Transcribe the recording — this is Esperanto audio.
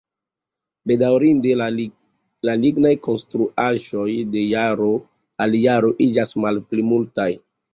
Bedaŭrinde, la lignaj konstruaĵoj de jaro al jaro iĝas malpli multaj.